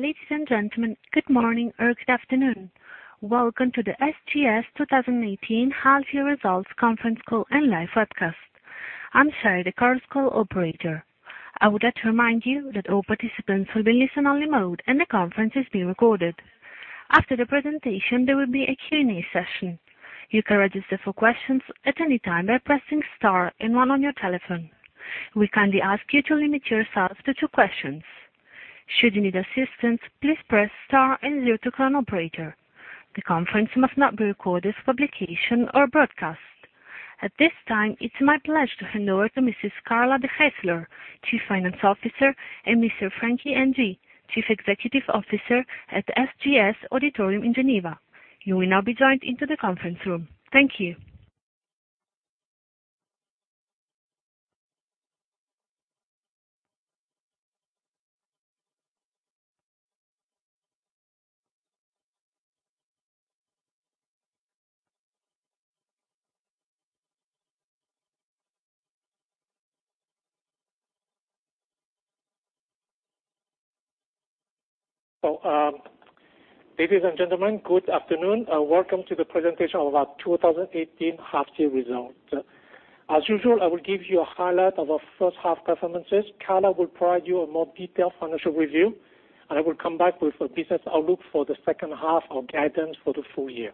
Ladies and gentlemen, good morning or good afternoon. Welcome to the SGS 2018 half-year results conference call and live webcast. I'm Cherry, the current call operator. I would like to remind you that all participants will be in listen-only mode, and the conference is being recorded. After the presentation, there will be a Q&A session. You can register for questions at any time by pressing star and one on your telephone. We kindly ask you to limit yourselves to two questions. Should you need assistance, please press star and zero to call an operator. The conference must not be recorded for publication or broadcast. At this time, it's my pleasure to hand over to Mrs. Carla De Geyseleer, Chief Financial Officer, and Mr. Frankie Ng, Chief Executive Officer at the SGS Auditorium in Geneva. You will now be joined into the conference room. Thank you. Ladies and gentlemen, good afternoon, and welcome to the presentation of our 2018 half-year results. As usual, I will give you a highlight of our first half performances. Carla will provide you a more detailed financial review, and I will come back with a business outlook for the second half and guidance for the full year.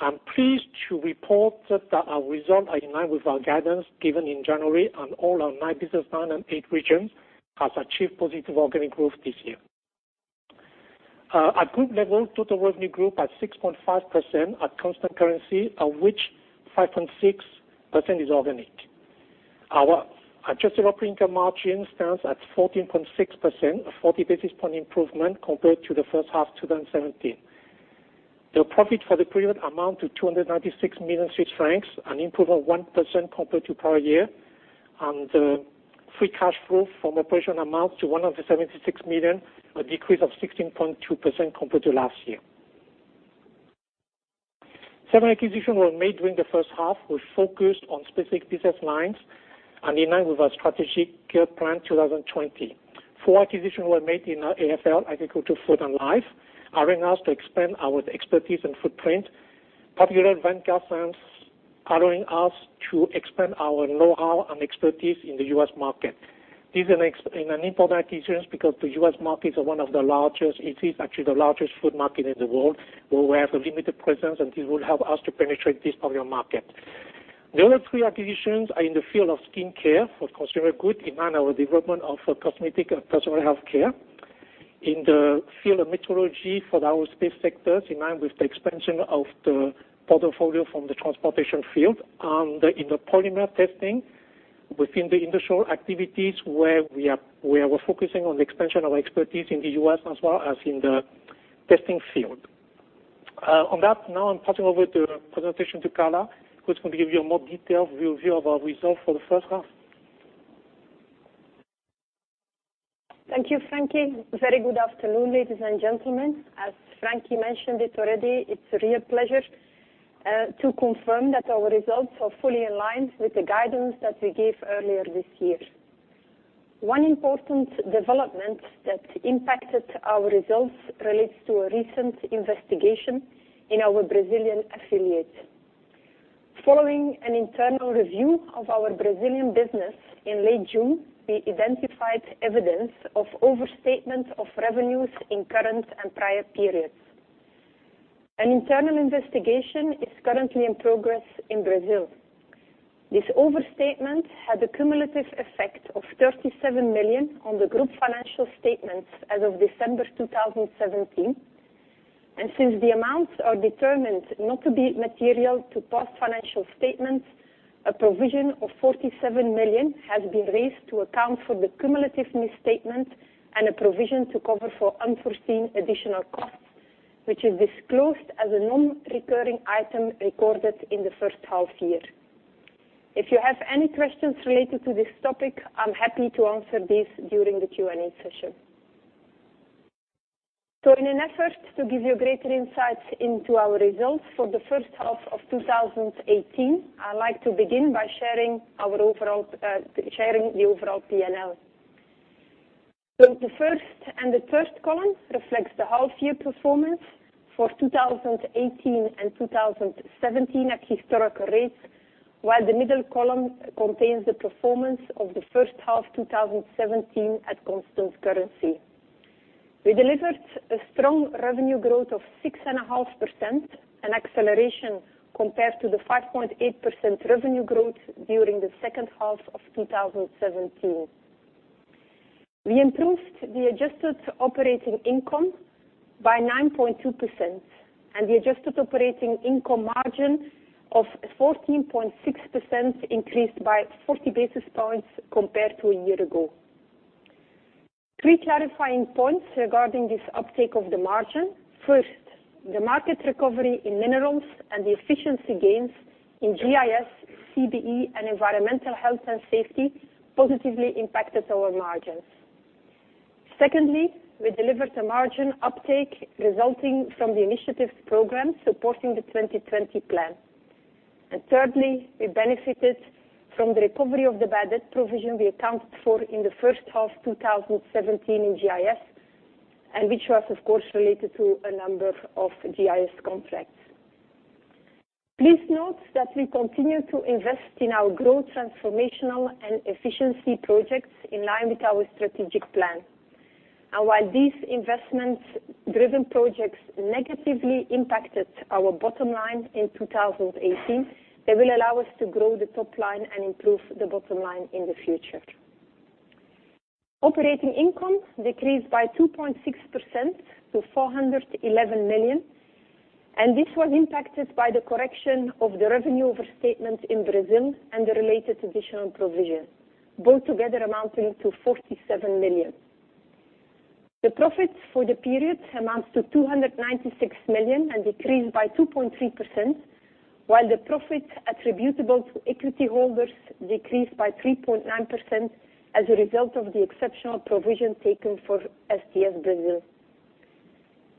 I'm pleased to report that our results are in line with our guidance given in January on all our nine business lines and eight regions have achieved positive organic growth this year. At group level, total revenue grew at 6.5% at constant currency, of which 5.6% is organic. Our adjusted operating income margin stands at 14.6%, a 40 basis point improvement compared to the first half 2017. The profit for the period amount to 296 million Swiss francs, an improvement of 1% compared to prior year. The free cash flow from operation amounts to 176 million CHF, a decrease of 16.2% compared to last year. Seven acquisitions were made during the first half. We focused on specific business lines and in line with our strategic plan 2020. Four acquisitions were made in AFL, Agriculture, Food, and Life, allowing us to expand our expertise and footprint. Vanguard Scientific allowing us to expand our knowhow and expertise in the U.S. market. These are important additions because the U.S. market is one of the largest It is actually the largest food market in the world, where we have a limited presence, and this will help us to penetrate this popular market. The other three acquisitions are in the field of skincare for consumer goods, in line with our development of cosmetics and personal healthcare. In the field of metrology for our space sectors, in line with the expansion of the portfolio from the transportation field. In the polymer testing within the industrial activities where we're focusing on the expansion of expertise in the U.S. as well as in the testing field. On that, now I'm passing over the presentation to Carla, who's going to give you a more detailed review of our results for the first half. Thank you, Frankie. Very good afternoon, ladies and gentlemen. As Frankie mentioned it already, it's a real pleasure to confirm that our results are fully in line with the guidance that we gave earlier this year. One important development that impacted our results relates to a recent investigation in our SGS Brazil affiliate. Following an internal review of our SGS Brazil business in late June, we identified evidence of overstatement of revenues in current and prior periods. An internal investigation is currently in progress in SGS Brazil. This overstatement had a cumulative effect of 37 million on the group financial statements as of December 2017. Since the amounts are determined not to be material to past financial statements, a provision of 47 million has been raised to account for the cumulative misstatement and a provision to cover for unforeseen additional costs, which is disclosed as a non-recurring item recorded in the first half year. If you have any questions related to this topic, I'm happy to answer these during the Q&A session. In an effort to give you greater insights into our results for the first half of 2018, I'd like to begin by sharing the overall P&L. The first and the third column reflects the half-year performance for 2018 and 2017 at historical rates, while the middle column contains the performance of the first half 2017 at constant currency. We delivered a strong revenue growth of 6.5%, an acceleration compared to the 5.8% revenue growth during the second half of 2017. We improved the adjusted operating income by 9.2%. The adjusted operating income margin of 14.6% increased by 40 basis points compared to a year ago. Three clarifying points regarding this uptake of the margin. First, the market recovery in minerals and the efficiency gains in GIS, CBE, and Environmental, Health and Safety positively impacted our margins. Secondly, we delivered a margin uptake resulting from the initiatives program supporting the 2020 plan. Thirdly, we benefited from the recovery of the bad debt provision we accounted for in the first half 2017 in GIS, which was, of course, related to a number of GIS contracts. Please note that we continue to invest in our growth transformational and efficiency projects in line with our strategic plan. While these investment-driven projects negatively impacted our bottom line in 2018, they will allow us to grow the top line and improve the bottom line in the future. Operating income decreased by 2.6% to 411 million. This was impacted by the correction of the revenue overstatement in SGS Brazil and the related additional provision, both together amounting to 47 million. The profit for the period amounts to 296 million and decreased by 2.3%, while the profit attributable to equity holders decreased by 3.9% as a result of the exceptional provision taken for SGS Brazil.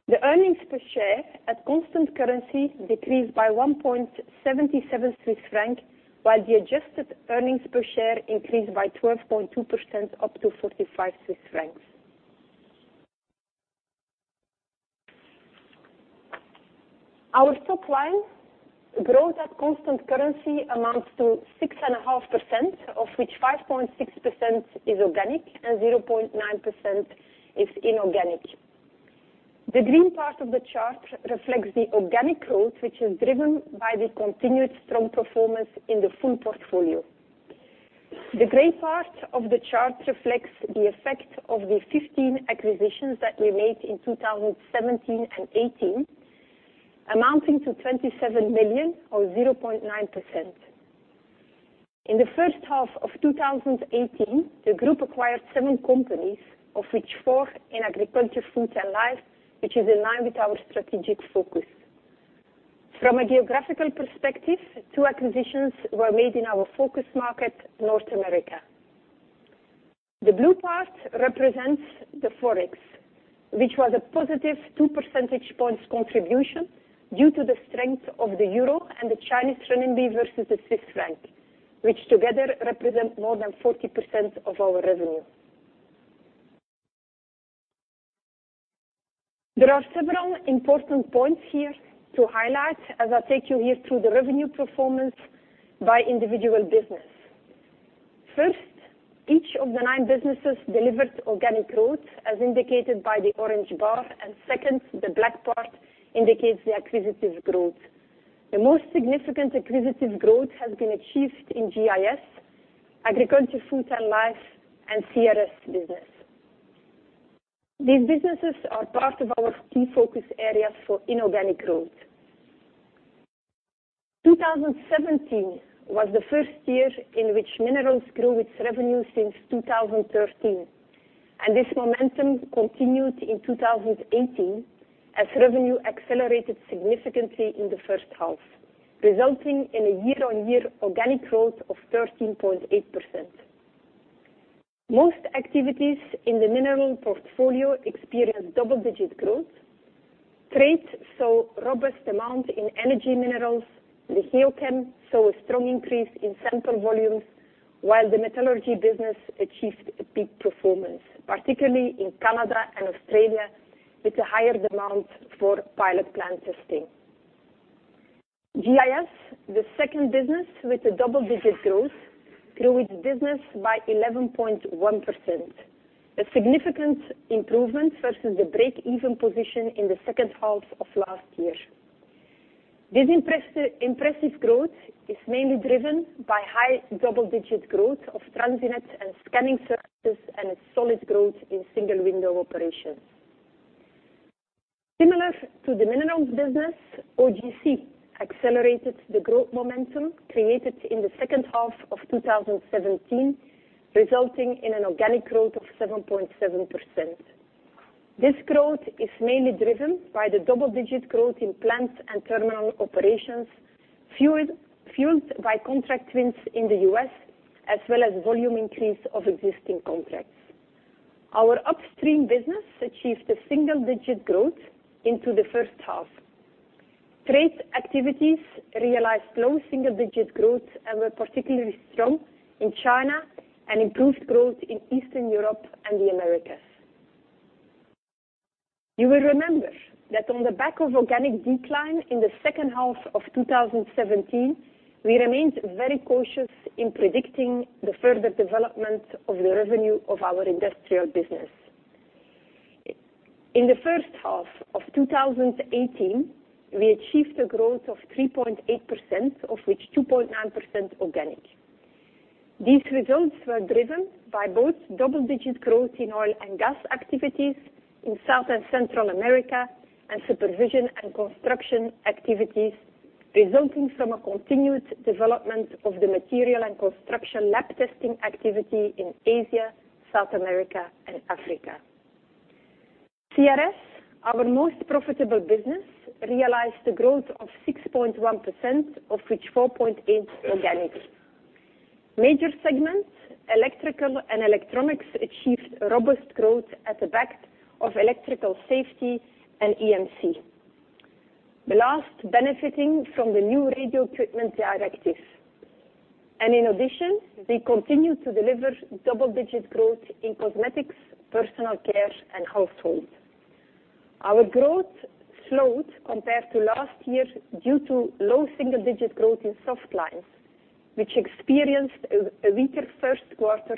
The earnings per share at constant currency decreased by 1.77 Swiss franc, while the adjusted earnings per share increased by 12.2% up to 45 Swiss francs. Our top-line growth at constant currency amounts to 6.5%, of which 5.6% is organic and 0.9% is inorganic. The green part of the chart reflects the organic growth, which is driven by the continued strong performance in the full portfolio. The gray part of the chart reflects the effect of the 15 acquisitions that we made in 2017 and 2018, amounting to 27 million, or 0.9%. In the first half of 2018, the group acquired seven companies, of which four in Agriculture, Food, and Life, which is in line with our strategic focus. From a geographical perspective, two acquisitions were made in our focus market, North America. The blue part represents the Forex, which was a positive two percentage points contribution due to the strength of the euro and the Chinese renminbi versus the Swiss franc, which together represent more than 40% of our revenue. There are several important points here to highlight as I take you here through the revenue performance by individual business. First, each of the nine businesses delivered organic growth, as indicated by the orange bar. Second, the black part indicates the acquisitive growth. The most significant acquisitive growth has been achieved in GIS, Agriculture, Food, and Life, and CRS business. These businesses are part of our key focus areas for inorganic growth. 2017 was the first year in which Minerals grew its revenue since 2013, and this momentum continued in 2018 as revenue accelerated significantly in the first half, resulting in a year-on-year organic growth of 13.8%. Most activities in the Mineral portfolio experienced double-digit growth. Trade saw robust demand in energy minerals. The Geochem saw a strong increase in sample volumes while the metallurgy business achieved a peak performance, particularly in Canada and Australia, with a higher demand for pilot plant testing. GIS, the second business with a double-digit growth, grew its business by 11.1%, a significant improvement versus the break-even position in the second half of last year. This impressive growth is mainly driven by high double-digit growth of TransitNet and scanning services and a solid growth in single window operations. Similar to the Minerals business, OGC accelerated the growth momentum created in the second half of 2017, resulting in an organic growth of 7.7%. This growth is mainly driven by the double-digit growth in plants and terminal operations, fueled by contract wins in the U.S. as well as volume increase of existing contracts. Our upstream business achieved a single-digit growth into the first half. Trade activities realized low double-digit growth and were particularly strong in China and improved growth in Eastern Europe and the Americas. You will remember that on the back of organic decline in the second half of 2017, we remained very cautious in predicting the further development of the revenue of our Industrial business. In the first half of 2018, we achieved a growth of 3.8%, of which 2.9% organic. These results were driven by both double-digit growth in oil and gas activities in South and Central America and supervision and construction activities resulting from a continued development of the material and construction lab testing activity in Asia, South America, and Africa. CRS, our most profitable business, realized a growth of 6.1%, of which 4.8% organic. Major segments, Electrical and Electronics, achieved robust growth at the back of electrical safety and EMC. The last benefiting from the new Radio Equipment Directive. In addition, we continue to deliver double-digit growth in Cosmetics, Personal Care, and Household. Our growth slowed compared to last year due to low single-digit growth in soft lines, which experienced a weaker first quarter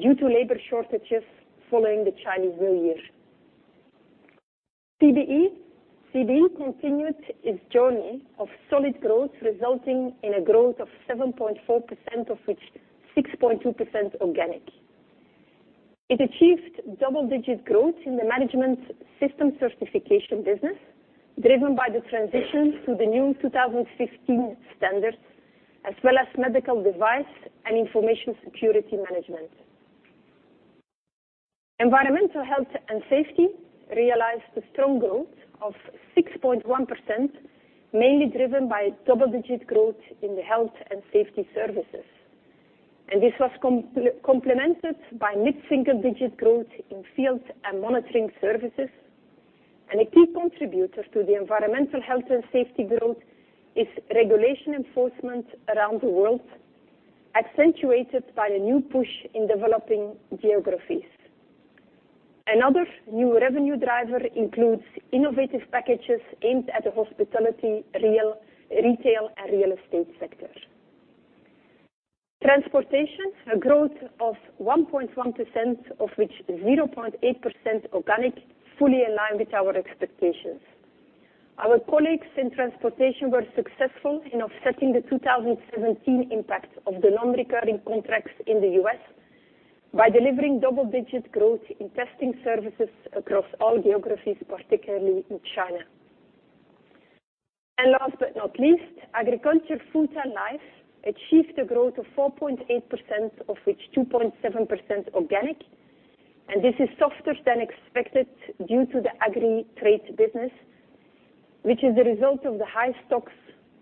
due to labor shortages following the Chinese New Year. CBE. CBE continued its journey of solid growth, resulting in a growth of 7.4%, of which 6.2% organic. It achieved double-digit growth in the management system certification business, driven by the transition to the new 2015 standards, as well as medical device and information security management. Environmental, Health and Safety realized a strong growth of 6.1%, mainly driven by double-digit growth in the health and safety services. This was complemented by mid-single digit growth in field and monitoring services. A key contributor to the Environmental, Health and Safety growth is regulation enforcement around the world, accentuated by a new push in developing geographies. Another new revenue driver includes innovative packages aimed at the hospitality, retail, and real estate sector. Transportation, a growth of 1.1%, of which 0.8% organic, fully in line with our expectations. Our colleagues in transportation were successful in offsetting the 2017 impact of the non-recurring contracts in the U.S. by delivering double-digit growth in testing services across all geographies, particularly in China. Last but not least, Agriculture, Food, and Life achieved a growth of 4.8%, of which 2.7% organic. This is softer than expected due to the agri trade business, which is the result of the high stocks,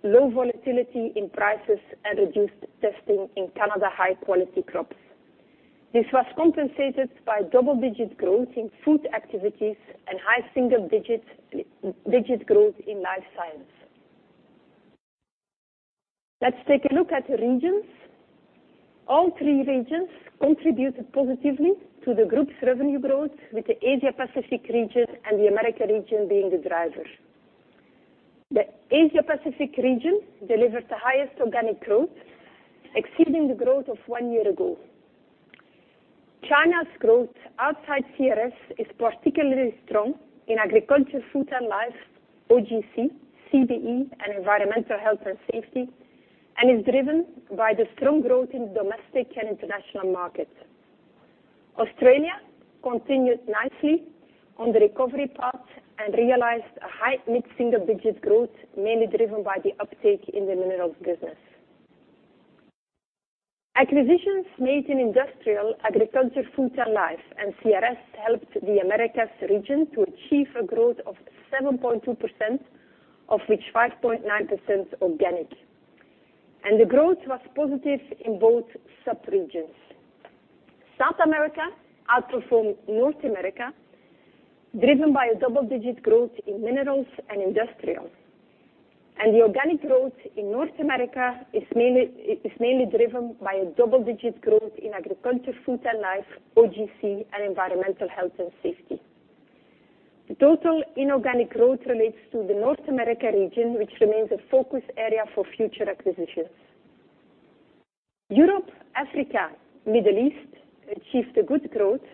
low volatility in prices, and reduced testing in Canada high-quality crops. This was compensated by double-digit growth in food activities and high single-digit growth in Life Sciences. Let's take a look at the regions. All three regions contributed positively to the group's revenue growth with the Asia Pacific region and the Americas region being the driver. The Asia Pacific region delivered the highest organic growth, exceeding the growth of one year ago. China's growth outside CRS is particularly strong in Agriculture, Food, and Life, OGC, CBE, and Environmental, Health and Safety, driven by the strong growth in domestic and international markets. Australia continued nicely on the recovery path and realized a high mid-single digit growth, mainly driven by the uptake in the Minerals business. Acquisitions made in Industrial, Agriculture, Food, and Life, and CRS helped the Americas region to achieve a growth of 7.2%, of which 5.9% organic. The growth was positive in both subregions. South America outperformed North America, driven by a double-digit growth in Minerals and Industrial. The organic growth in North America is mainly driven by a double-digit growth in Agriculture, Food, and Life, OGC, and Environmental, Health and Safety. The total inorganic growth relates to the North America region, which remains a focus area for future acquisitions. Europe, Africa, Middle East achieved a good growth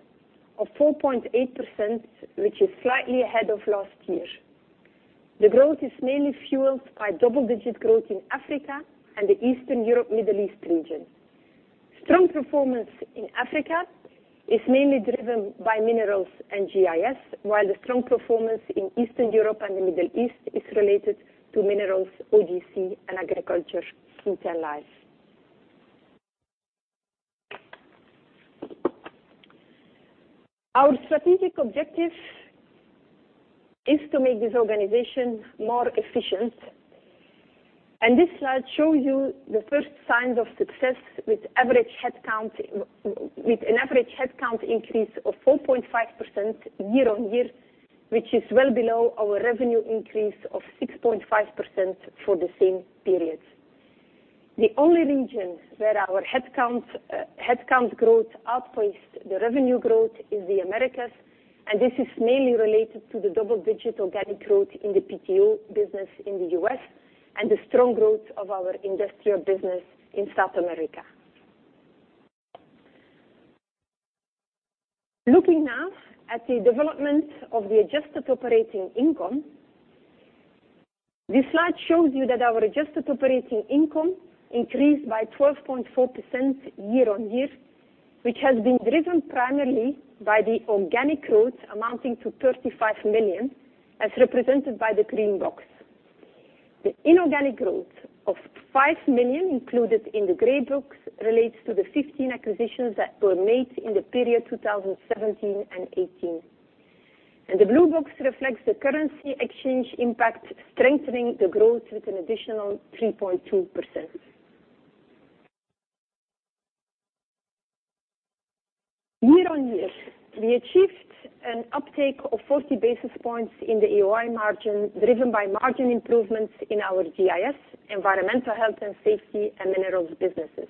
of 4.8%, which is slightly ahead of last year. The growth is mainly fueled by double-digit growth in Africa and the Eastern Europe, Middle East region. Strong performance in Africa is mainly driven by Minerals and GIS, while the strong performance in Eastern Europe and the Middle East is related to Minerals, OGC, and Agriculture, Food, and Life. Our strategic objective is to make this organization more efficient. This slide shows you the first signs of success with an average headcount increase of 4.5% year-on-year, which is well below our revenue increase of 6.5% for the same period. The only region where our headcount growth outpaced the revenue growth is the Americas. This is mainly related to the double-digit organic growth in the PTO business in the U.S. and the strong growth of our industrial business in South America. Looking now at the development of the adjusted operating income. This slide shows you that our adjusted operating income increased by 12.4% year-on-year, which has been driven primarily by the organic growth amounting to 35 million, as represented by the green box. The inorganic growth of 5 million included in the gray box relates to the 15 acquisitions that were made in the period 2017 and 2018. The blue box reflects the currency exchange impact, strengthening the growth with an additional 3.2%. Year-on-year, we achieved an uptake of 40 basis points in the AOI margin, driven by margin improvements in our GIS, Environmental, Health and Safety, and Minerals businesses.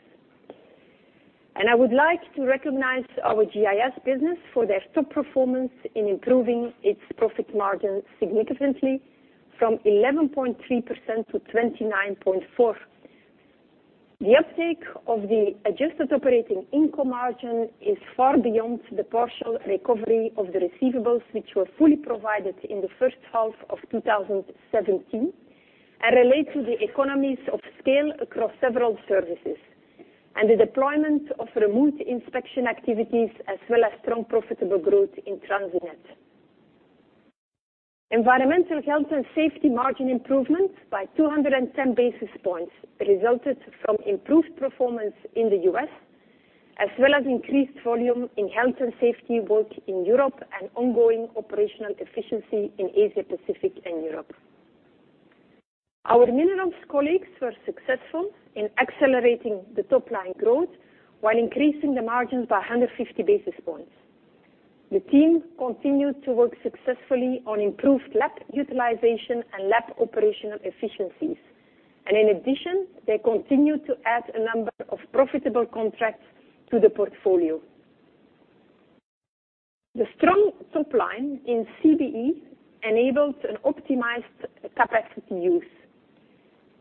I would like to recognize our GIS business for their top performance in improving its profit margin significantly from 11.3% to 29.4%. The uptake of the adjusted operating income margin is far beyond the partial recovery of the receivables, which were fully provided in the first half of 2017 and relate to the economies of scale across several services and the deployment of remote inspection activities as well as strong profitable growth in TransitNet. Environmental, Health and Safety margin improvement by 210 basis points resulted from improved performance in the U.S., as well as increased volume in health and safety work in Europe and ongoing operational efficiency in Asia Pacific and Europe. Our minerals colleagues were successful in accelerating the top-line growth while increasing the margins by 150 basis points. The team continued to work successfully on improved lab utilization and lab operational efficiencies. In addition, they continued to add a number of profitable contracts to the portfolio. The strong top line in CBE enabled an optimized capacity use.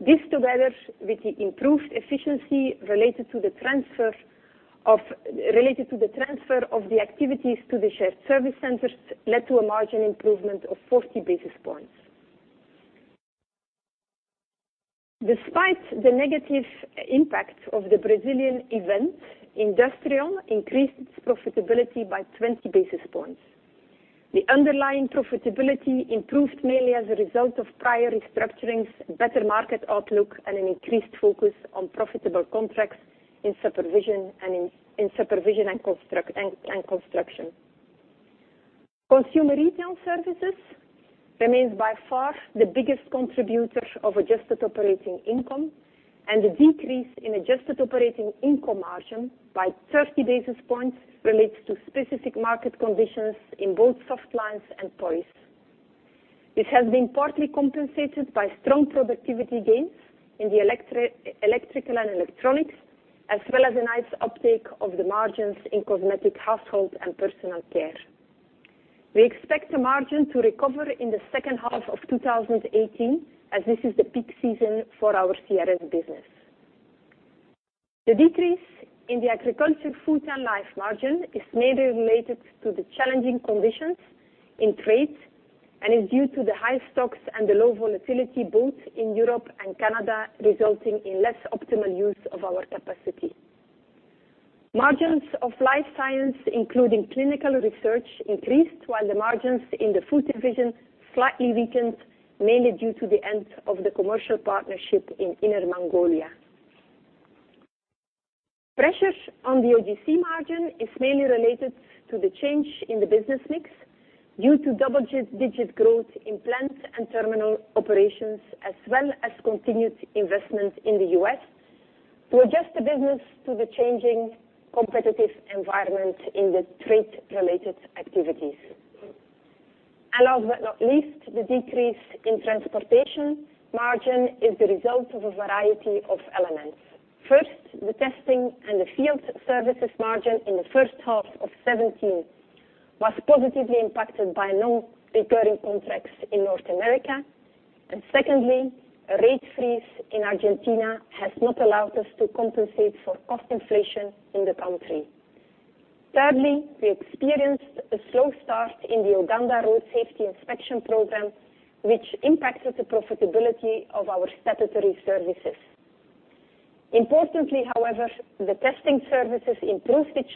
This, together with the improved efficiency related to the transfer of the activities to the shared service centers, led to a margin improvement of 40 basis points. Despite the negative impact of the Brazilian event, Industrial increased its profitability by 20 basis points. The underlying profitability improved mainly as a result of prior restructurings, better market outlook, and an increased focus on profitable contracts in supervision and construction. Consumer Retail Services remains by far the biggest contributor of adjusted operating income. The decrease in adjusted operating income margin by 30 basis points relates to specific market conditions in both softlines and toys. This has been partly compensated by strong productivity gains in the Electrical and Electronics, as well as a nice uptake of the margins in Cosmetics, Household and Personal Care. We expect the margin to recover in the second half of 2018, as this is the peak season for our CRS business. The decrease in the Agriculture, Food and Life margin is mainly related to the challenging conditions in trade and is due to the high stocks and the low volatility both in Europe and Canada, resulting in less optimal use of our capacity. Margins of Life Science, including clinical research, increased while the margins in the Food division slightly weakened, mainly due to the end of the commercial partnership in Inner Mongolia. Pressure on the OGC margin is mainly related to the change in the business mix due to double-digit growth in plant and terminal operations, as well as continued investment in the U.S. to adjust the business to the changing competitive environment in the trade-related activities. Last but not least, the decrease in Transportation margin is the result of a variety of elements. First, the testing and the field services margin in the first half of 2017 was positively impacted by non-recurring contracts in North America. Secondly, a rate freeze in Argentina has not allowed us to compensate for cost inflation in the country. Thirdly, we experienced a slow start in the Uganda Road Safety Inspection program, which impacted the profitability of our statutory services. Importantly, however, the testing services improved its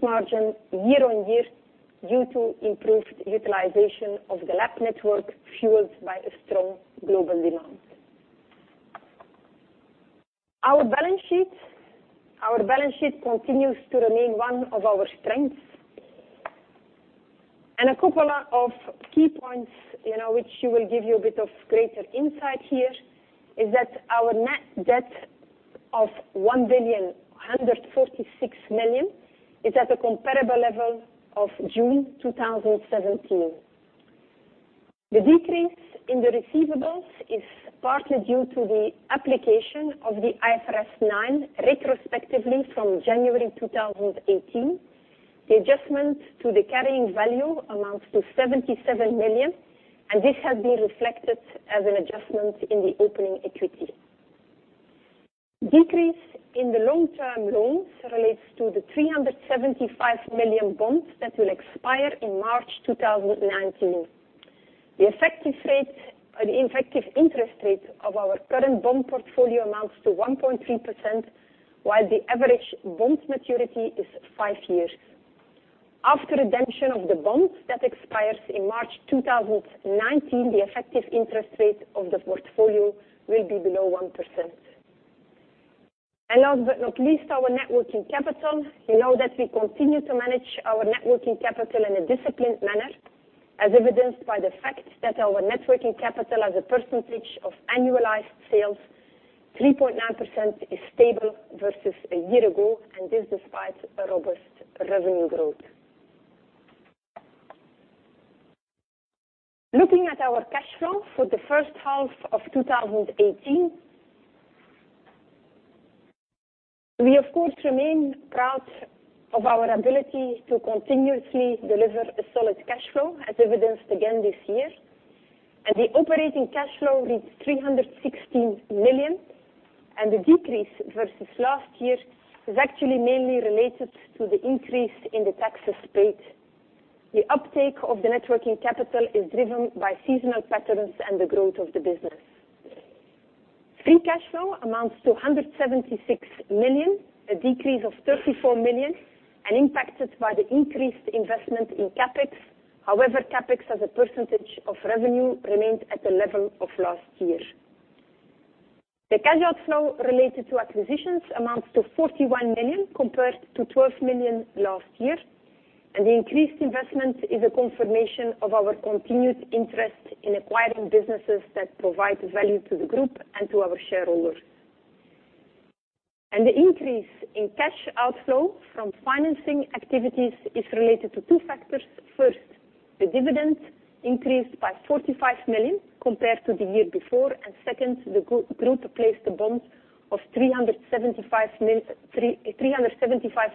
margin year-on-year due to improved utilization of the lab network, fueled by a strong global demand. Our balance sheet continues to remain one of our strengths. A couple of key points which will give you a bit of greater insight here is that our net debt of 1,146 million is at a comparable level of June 2017. The decrease in the receivables is partly due to the application of the IFRS 9 retrospectively from January 2018. The adjustment to the carrying value amounts to 77 million, this has been reflected as an adjustment in the opening equity. Decrease in the long-term loans relates to the 375 million bond that will expire in March 2019. The effective interest rate of our current bond portfolio amounts to 1.3%, while the average bond maturity is five years. After redemption of the bond that expires in March 2019, the effective interest rate of the portfolio will be below 1%. Last but not least, our net working capital. You know that we continue to manage our net working capital in a disciplined manner, as evidenced by the fact that our net working capital as a percentage of annualized sales, 3.9% is stable versus a year-ago, and this despite a robust revenue growth. Looking at our cash flow for the first half of 2018. We of course remain proud of our ability to continuously deliver a solid cash flow as evidenced again this year. The operating cash flow reached 316 million, the decrease versus last year is actually mainly related to the increase in the taxes paid. The uptake of the net working capital is driven by seasonal patterns and the growth of the business. Free cash flow amounts to 176 million, a decrease of 34 million, impacted by the increased investment in CapEx. However, CapEx as a percentage of revenue remained at the level of last year. The cash outflow related to acquisitions amounts to 41 million compared to 12 million last year, the increased investment is a confirmation of our continued interest in acquiring businesses that provide value to the group and to our shareholders. The increase in cash outflow from financing activities is related to two factors. First, the dividend increased by 45 million compared to the year before, and second, the group placed a bond of 375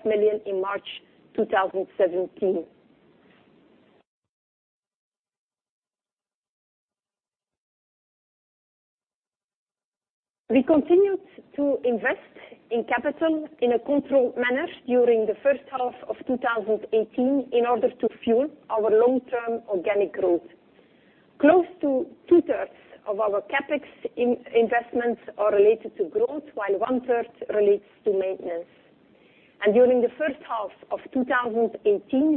million in March 2017. We continued to invest in capital in a controlled manner during the first half of 2018 in order to fuel our long-term organic growth. Close to two-thirds of our CapEx investments are related to growth, while one-third relates to maintenance. During the first half of 2018,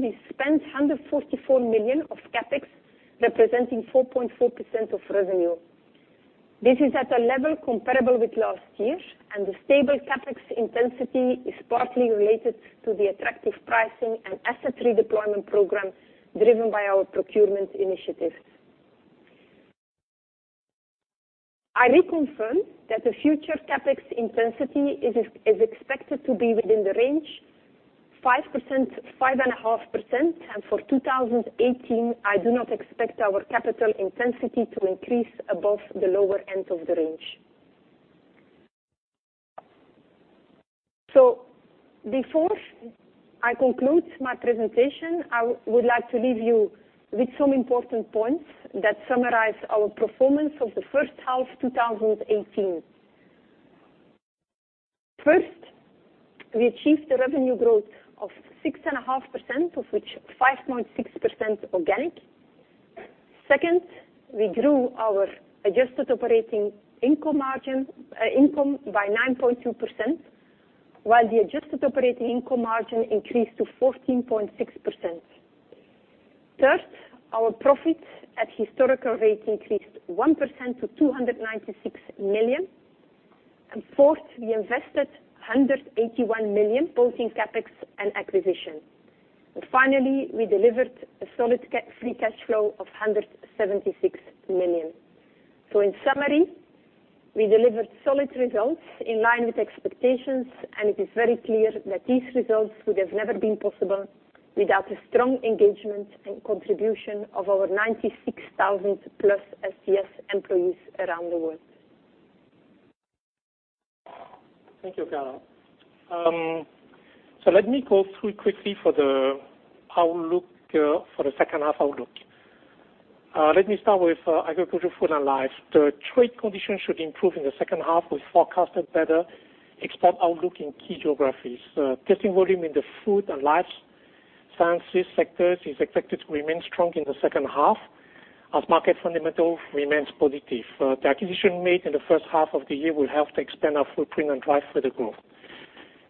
we spent 144 million of CapEx, representing 4.4% of revenue. This is at a level comparable with last year, and the stable CapEx intensity is partly related to the attractive pricing and asset redeployment program driven by our procurement initiatives. I reconfirm that the future CapEx intensity is expected to be within the range 5%-5.5%, and for 2018, I do not expect our capital intensity to increase above the lower end of the range. Before I conclude my presentation, I would like to leave you with some important points that summarize our performance of the first half 2018. First, we achieved a revenue growth of 6.5%, of which 5.6% organic. Second, we grew our adjusted operating income by 9.2%, while the adjusted operating income margin increased to 14.6%. Third, our profit at historical rate increased 1% to 296 million. Fourth, we invested 181 million, both in CapEx and acquisition. Finally, we delivered a solid free cash flow of 176 million. In summary, we delivered solid results in line with expectations, and it is very clear that these results would have never been possible without the strong engagement and contribution of our 96,000+ SGS employees around the world. Thank you, Carla. Let me go through quickly for the second half outlook. Let me start with Agriculture, Food, and Life. The trade conditions should improve in the second half. We forecasted better export outlook in key geographies. Testing volume in the Food and Life Sciences sectors is expected to remain strong in the second half as market fundamental remains positive. The acquisition made in the first half of the year will help to expand our footprint and drive further growth.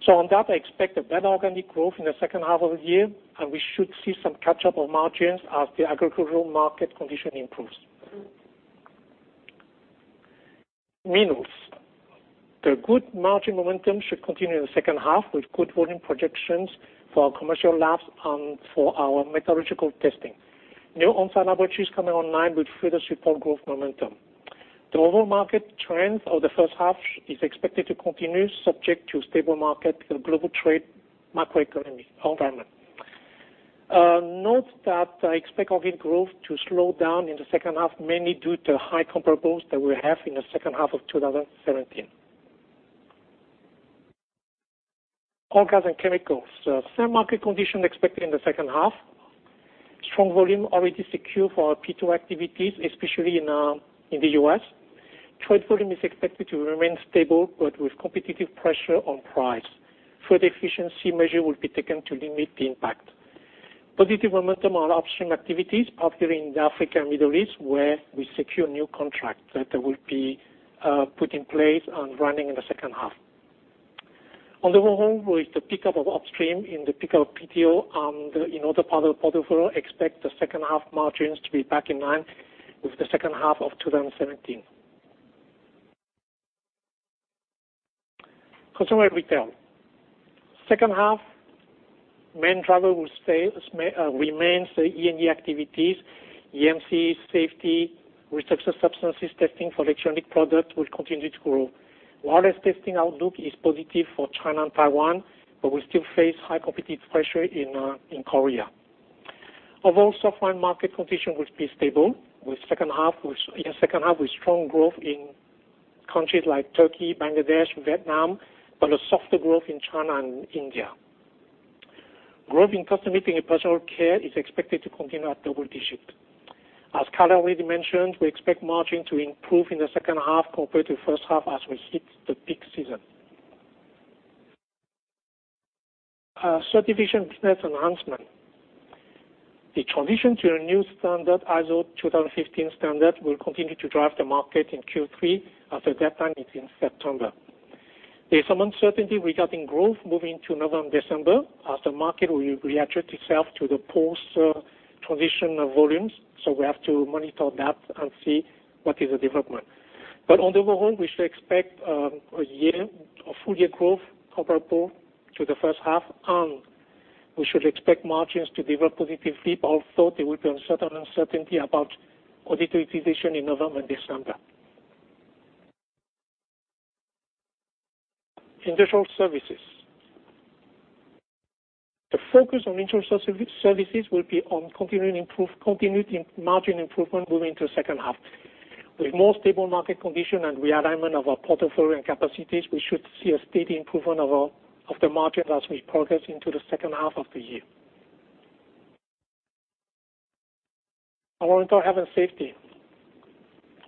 On that, I expect a better organic growth in the second half of the year, and we should see some catch-up on margins as the agricultural market condition improves. Minerals. The good margin momentum should continue in the second half, with good volume projections for our commercial labs and for our metallurgical testing. New on-site laboratories coming online will further support growth momentum. The overall market trend of the first half is expected to continue, subject to stable market and global trade macroeconomy environment. Note that I expect organic growth to slow down in the second half, mainly due to high comparables that we have in the second half of 2017. Oil, Gas, and Chemicals. Same market condition expected in the second half. Strong volume already secured for our PTO activities, especially in the U.S. Trade volume is expected to remain stable but with competitive pressure on price. Further efficiency measure will be taken to limit the impact. Positive momentum on upstream activities, particularly in the Africa and Middle East, where we secure new contract that will be put in place and running in the second half. On the whole, with the pickup of upstream and the pickup of PTO and in other parts of the portfolio, expect the second half margins to be back in line with the second half of 2017. Consumer Retail. Second half, main driver will remain the E&E activities. EMC, safety, restricted substances testing for electronic products will continue to grow. Wireless testing outlook is positive for China and Taiwan, but we still face high competitive pressure in Korea. Overall softlines market condition will be stable in the second half, with strong growth in countries like Turkey, Bangladesh, Vietnam, but a softer growth in China and India. Growth in Cosmetics and personal care is expected to continue at double digits. As Carla already mentioned, we expect margin to improve in the second half compared to the first half as we hit the peak season. Certification Business Enhancement. The transition to a new standard, ISO 2015 standard, will continue to drive the market in Q3, after that time is in September. There's some uncertainty regarding growth moving to November and December as the market will readjust itself to the post-transition volumes. We have to monitor that and see what is the development. On the whole, we should expect a full-year growth comparable to the first half, and we should expect margins to develop positively, although there will be some uncertainty about order utilization in November and December. Industrial Services. The focus on Industrial Services will be on continued margin improvement moving to second half. With more stable market condition and realignment of our portfolio and capacities, we should see a steady improvement of the margin as we progress into the second half of the year. Environmental, Health and Safety.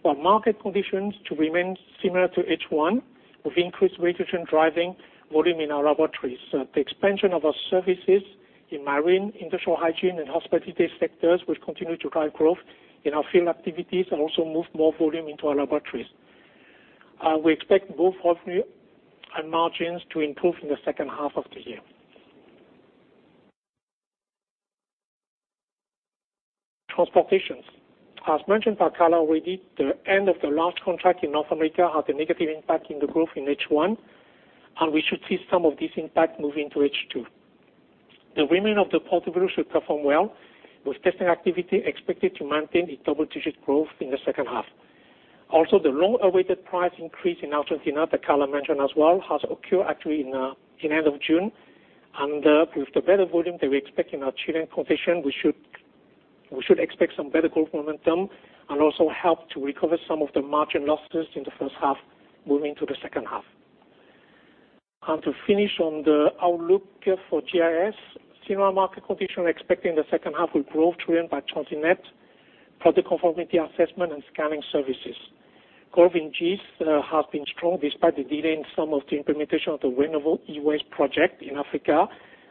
While market conditions to remain similar to H1, with increased regulation driving volume in our laboratories. The expansion of our services in marine, industrial hygiene, and hospitality sectors will continue to drive growth in our field activities and also move more volume into our laboratories. We expect both revenue and margins to improve in the second half of the year. Transportation. As mentioned by Carla already, the end of the large contract in North America had a negative impact on the growth in H1, and we should see some of this impact move into H2. The remainder of the portfolio should perform well, with testing activity expected to maintain a double-digit growth in the second half. Also, the long-awaited price increase in Argentina that Carla mentioned as well has occurred actually in the end of June. With the better volume that we expect in our Chilean concession, we should expect some better growth momentum and also help to recover some of the margin losses in the first half moving to the second half. To finish on the outlook for GIS, similar market condition expected in the second half with growth driven by TransitNet, product conformity assessment, and scanning services. Growth in GIS has been strong despite the delay in some of the implementation of the renewable E-waste project in Africa,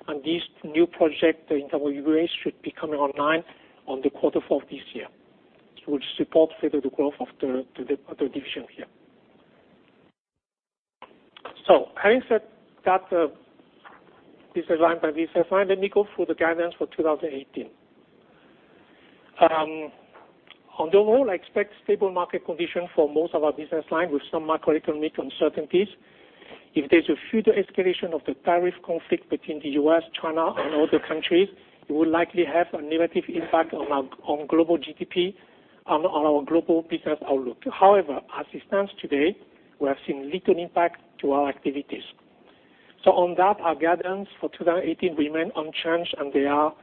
and this new project in E-waste should be coming online on the quarter four of this year, which support further the growth of the other division here. Having said that, this design by business line, let me go through the guidance for 2018. On the whole, I expect stable market condition for most of our business lines with some macroeconomic uncertainties. If there's a further escalation of the tariff conflict between the U.S., China, and other countries, it will likely have a negative impact on global GDP and on our global business outlook. However, as it stands today, we have seen little impact to our activities. On that, our guidance for 2018 remains unchanged, and they are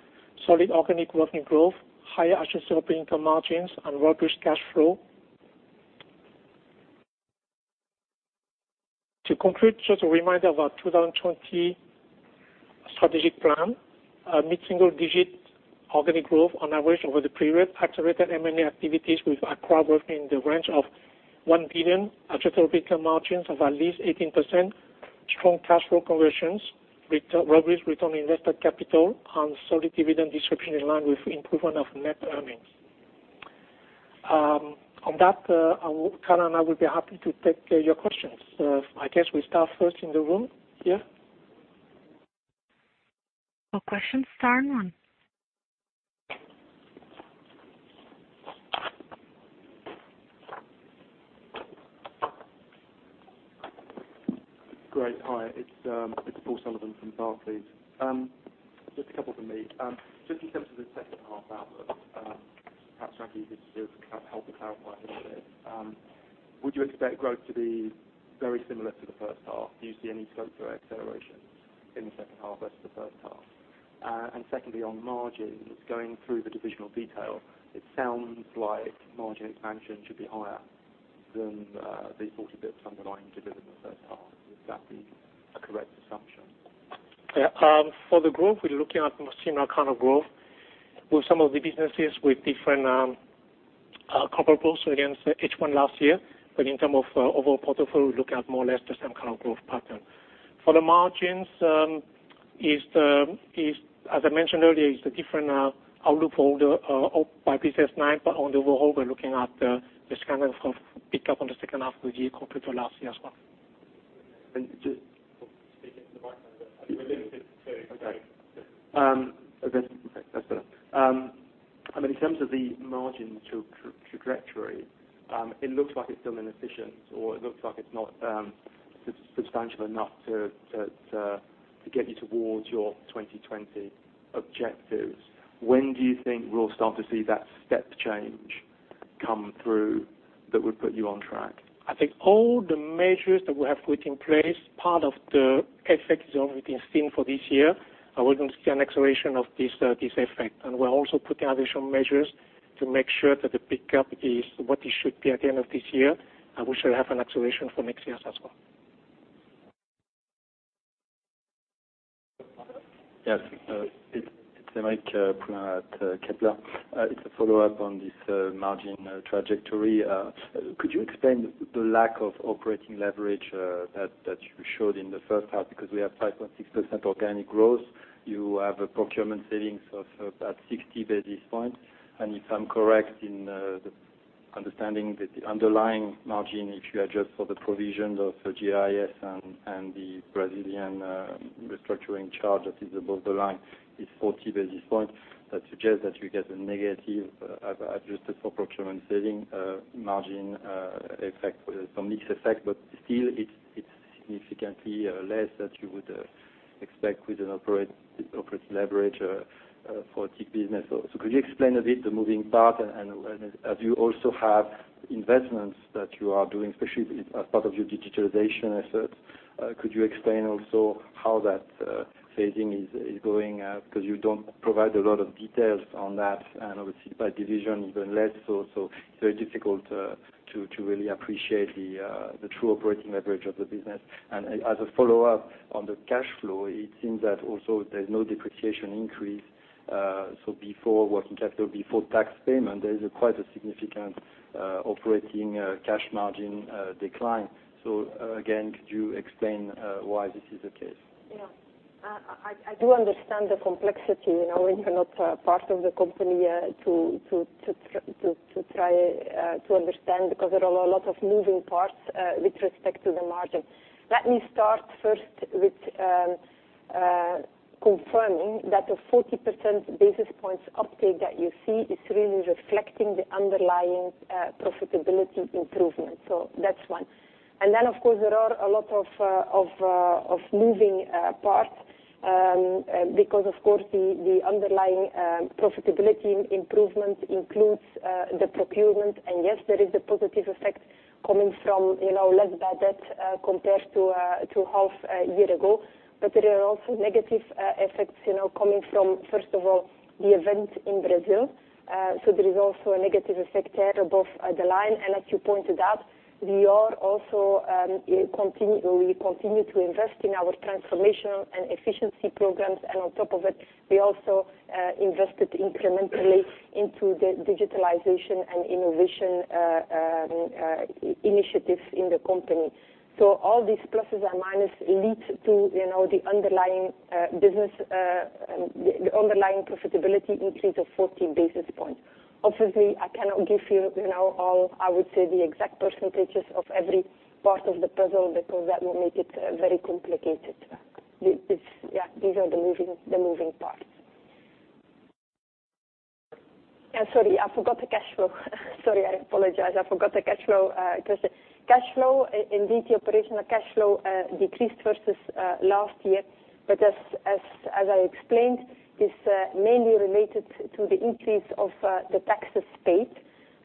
solid organic revenue growth, higher adjusted operating income margins, and robust cash flow. To conclude, just a reminder of our 2020 strategic plan. Mid-single digit organic growth on average over the period, accelerated M&A activities with acquiring in the range of 1 billion, adjusted operating margins of at least 18%, strong cash flow conversions, robust return on invested capital, and solid dividend distribution in line with improvement of net earnings. On that, Carla and I will be happy to take your questions. I guess we start first in the room here. Questions, line one. Great. Hi, it's Paul Sullivan from Barclays. Just a couple from me. Just in terms of the second half outlook, perhaps, Frankie, you could just help clarify a little bit. Would you expect growth to be very similar to the first half? Do you see any scope for accelerations in the second half versus the first half? Secondly, on margins, going through the divisional detail, it sounds like margin expansion should be higher than the 40 basis points underlying delivered in the first half. Would that be a correct assumption? Yeah. For the growth, we're looking at similar kind of growth with some of the businesses with different comparables against H1 last year. In terms of overall portfolio, we look at more or less the same kind of growth pattern. As I mentioned earlier, it's a different outlook for the by business line, but on the whole, we're looking at the kind of pick up in the second half of the year compared to last year as well. And just- Speak into the microphone. Okay. That's better. In terms of the margin trajectory, it looks like it's still inefficient, or it looks like it's not substantial enough to get you towards your 2020 objectives. When do you think we'll start to see that step change come through that would put you on track? I think all the measures that we have put in place, part of the effect is already seen for this year, we're going to see an acceleration of this effect. We're also putting additional measures to make sure that the pickup is what it should be at the end of this year, and we shall have an acceleration for next year as well. Yes. It's Aymeric Brunner at Kepler. It's a follow-up on this margin trajectory. Could you explain the lack of operating leverage that you showed in the first half? Because we have 5.6% organic growth, you have a procurement savings of about 60 basis points, and if I'm correct in the understanding that the underlying margin, if you adjust for the provisions of GIS and the Brazilian restructuring charge that is above the line, is 40 basis points. That suggests that you get a negative adjusted for procurement saving margin effect, some mixed effect, but still it's significantly less that you would expect with an operating leverage for a TIC business. Could you explain a bit the moving part? As you also have investments that you are doing, especially as part of your digitalization efforts, could you explain also how that phasing is going? You don't provide a lot of details on that and obviously by division even less so it's very difficult to really appreciate the true operating leverage of the business. As a follow-up on the cash flow, it seems that also there's no depreciation increase. Before working capital, before tax payment, there is quite a significant operating cash margin decline. Again, could you explain why this is the case? Yeah. I do understand the complexity when you're not part of the company to try to understand because there are a lot of moving parts with respect to the margin. Let me start first with confirming that the 40 basis points uptake that you see is really reflecting the underlying profitability improvement. That's one. Then, of course, there are a lot of moving parts because the underlying profitability improvement includes the procurement and yes, there is a positive effect coming from less bad debt compared to half a year ago. There are also negative effects coming from, first of all, the event in Brazil. There is also a negative effect there above the line. As you pointed out, we continue to invest in our transformational and efficiency programs, on top of it, we also invested incrementally into the digitalization and innovation initiatives in the company. All these pluses and minus leads to the underlying profitability increase of 40 basis points. Obviously, I cannot give you all, I would say, the exact percentages of every part of the puzzle because that will make it very complicated. These are the moving parts. I apologize, I forgot the cash flow. Indeed, the operational cash flow decreased versus last year. As I explained, it's mainly related to the increase of the taxes paid.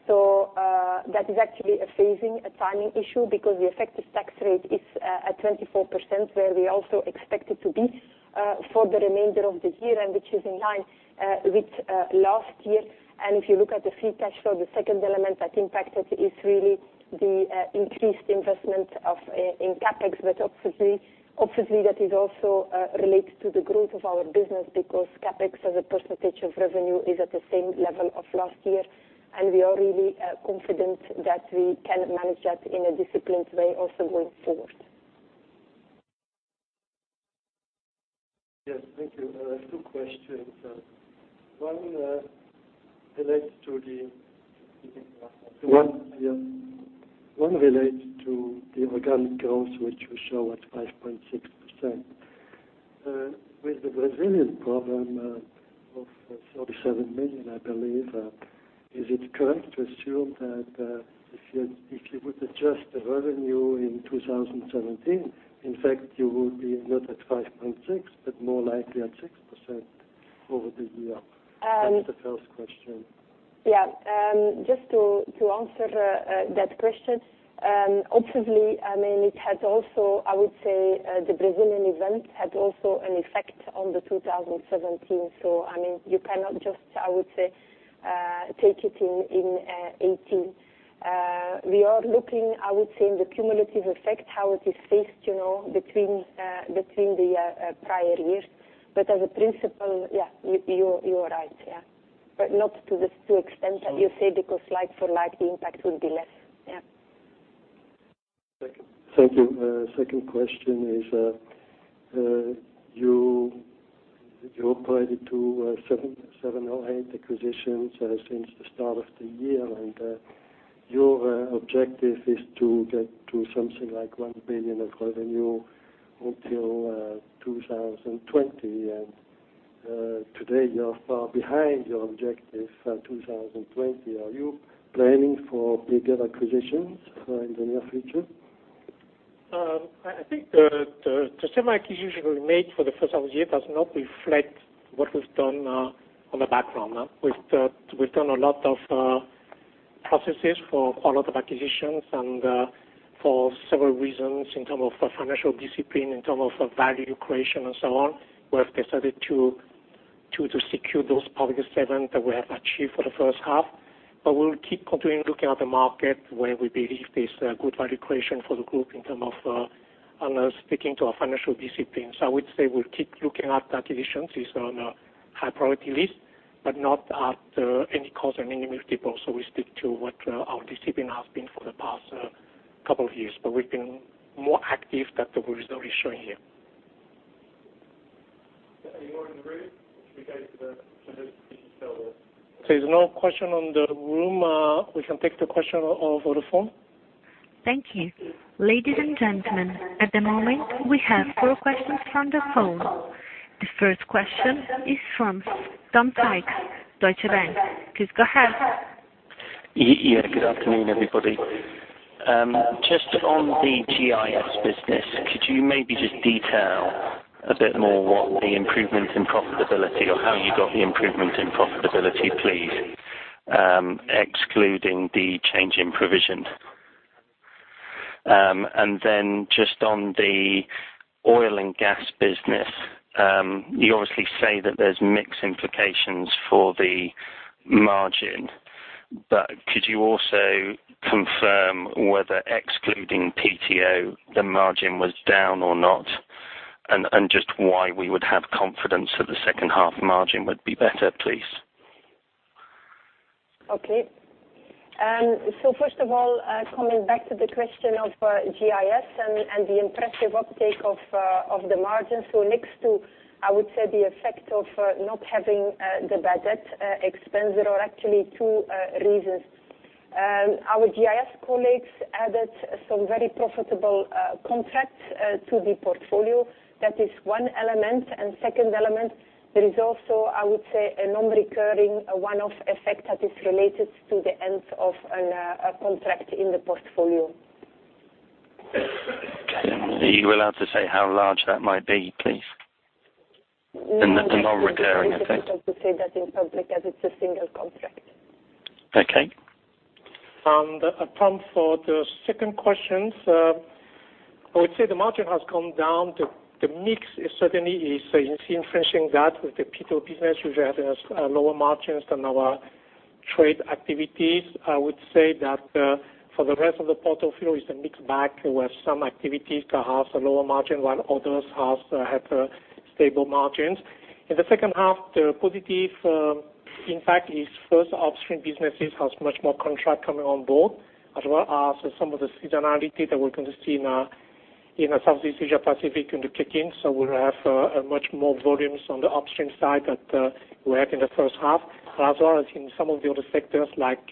That is actually a phasing, a timing issue because the effective tax rate is at 24%, where we also expect it to be for the remainder of the year and which is in line with last year. If you look at the free cash flow, the second element that impacted is really the increased investment in CapEx. Obviously, that is also related to the growth of our business because CapEx as a percentage of revenue is at the same level of last year, and we are really confident that we can manage that in a disciplined way also going forward. Yes. Thank you. Two questions. One relates to the organic growth, which you show at 5.6%. With the Brazilian problem of 37 million, I believe, is it correct to assume that if you would adjust the revenue in 2017, in fact you would be not at 5.6%, but more likely at 6% over the year? That's the first question. Yeah. Just to answer that question. Obviously, I would say the Brazilian event had also an effect on the 2017. You cannot just, I would say, take it in 2018. We are looking, I would say, in the cumulative effect, how it is phased between the prior years. As a principle, yeah, you are right. Not to the extent that you say, because like for like, the impact will be less. Yeah. Thank you. Second question is, you operated to 7 or 8 acquisitions since the start of the year. Your objective is to get to something like 1 billion of revenue until 2020. Today you are far behind your objective for 2020. Are you planning for bigger acquisitions in the near future? I think the 7 acquisitions we made for the H1 does not reflect what we've done on the background. We've done a lot of processes for a lot of acquisitions and for several reasons in terms of financial discipline, in terms of value creation and so on. We have decided to secure those probably 7 that we have achieved for the H1. We will keep continuing looking at the market where we believe there's a good value creation for the group in terms of sticking to our financial discipline. I would say we'll keep looking at acquisitions is on a high priority list, but not at any cost and any multiple. We stick to what our discipline has been for the past couple of years, but we've been more active than the result is showing here. Anyone in the room? Should we go to the telephone? There's no question in the room. We can take the question over the phone. Thank you. Ladies and gentlemen, at the moment, we have four questions from the phone. The first question is from Tom Sykes, Deutsche Bank. Please go ahead. Good afternoon, everybody. Just on the GIS business, could you maybe just detail a bit more what the improvement in profitability or how you got the improvement in profitability, please, excluding the change in provision. Just on the oil and gas business, you obviously say that there's mixed implications for the margin. Could you also confirm whether excluding PTO the margin was down or not? Just why we would have confidence that the second half margin would be better, please. First of all, coming back to the question of GIS and the impressive uptake of the margin. Next to, I would say the effect of not having the bad debt expense, there are actually two reasons. Our GIS colleagues added some very profitable contracts to the portfolio. That is one element. Second element, there is also, I would say, a non-recurring, one-off effect that is related to the end of a contract in the portfolio. Are you allowed to say how large that might be, please? The non-recurring effect. No, it's difficult to say that in public as it's a single contract. Okay. For the second questions, I would say the margin has come down. The mix certainly is influencing that with the PTO business, which has lower margins than our trade activities. I would say that for the rest of the portfolio, it's a mix bag where some activities can have a lower margin, while others have stable margins. In the second half, the positive impact is first upstream businesses has much more contract coming on board, as well as some of the seasonality that we're going to see now in the Southeast Asia Pacific into kicking. We'll have much more volumes on the upstream side that we have in the first half. As well as in some of the other sectors, like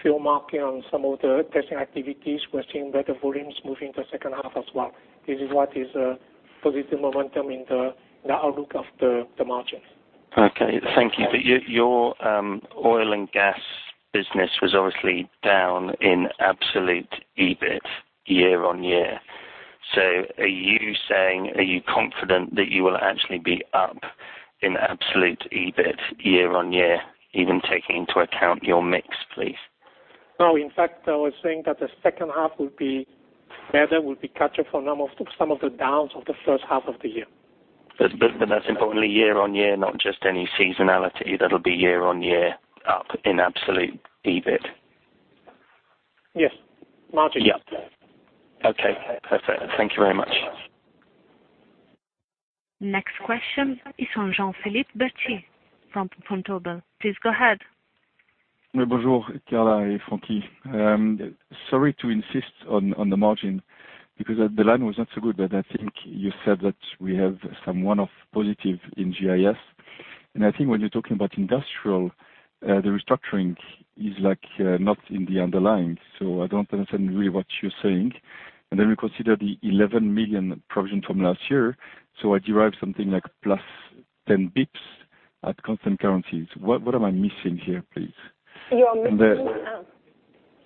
fuel marking on some of the testing activities, we're seeing better volumes moving to the second half as well. This is what is a positive momentum in the outlook of the margins. Okay. Thank you. Your oil and gas business was obviously down in absolute EBIT year-on-year. Are you confident that you will actually be up in absolute EBIT year-on-year, even taking into account your mix, please? No. In fact, I was saying that the second half would be better. We'll be catching for some of the downs of the first half of the year. That's importantly year-on-year, not just any seasonality. That'll be year-on-year up in absolute EBIT. Yes. Margin. Yeah. Okay, perfect. Thank you very much. Next question is from Jean-Philippe Bertschy from Vontobel. Please go ahead. Bonjour, Carla and Frankie. Sorry to insist on the margin, because the line was not so good, but I think you said that we have some one-off positive in GIS. I think when you're talking about industrial, the restructuring is not in the underlying. I don't understand really what you're saying. Then we consider the 11 million provision from last year. I derive something like plus 10 basis points at constant currencies. What am I missing here, please? You are missing.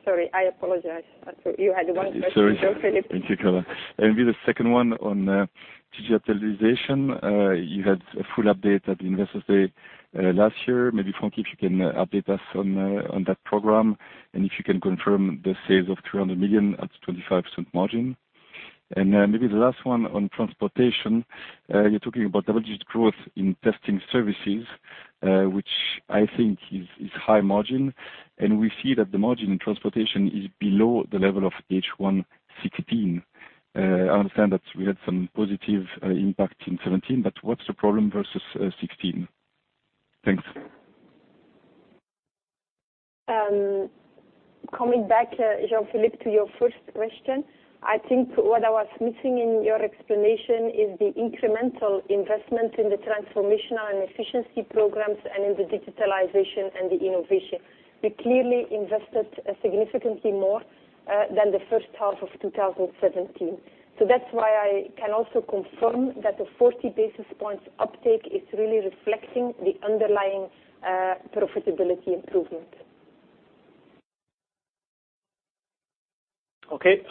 Sorry, I apologize. You had one question, Jean-Philippe. Thank you, Carla. Maybe the second one on digital transformation. You had a full update at the Investors Day last year. Maybe, Frankie, if you can update us on that program, and if you can confirm the sales of 300 million at 25% margin. Maybe the last one on transportation. You're talking about double-digit growth in testing services, which I think is high margin. We see that the margin in transportation is below the level of H1 2016. I understand that we had some positive impact in 2017, but what's the problem versus 2016? Thanks. Coming back, Jean-Philippe, to your first question, I think what I was missing in your explanation is the incremental investment in the transformational and efficiency programs and in the digitalization and the innovation. We clearly invested significantly more than the first half of 2017. That's why I can also confirm that the 40 basis points uptake is really reflecting the underlying profitability improvement. Okay.